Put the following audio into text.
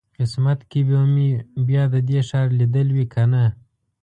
قسمت کې به مې بیا د دې ښار لیدل وي کنه.